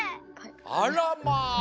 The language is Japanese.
あらまあ！